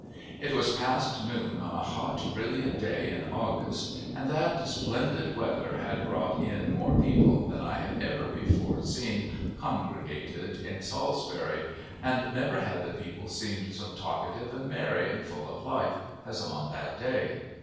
It was past noon on a hot, brilliant day in August, and that splendid weather had brought in more people than I had ever before seen congregated in Salisbury, and never had the people seemed so talkative and merry and full of life as on that day.